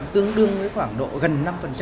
tương đương với khoảng độ gần năm